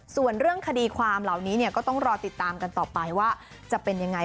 ส่วนเรื่องคดีความเหล่านี้ก็ต้องรอติดตามกันต่อไปว่าจะเป็นยังไง